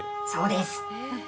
そうです。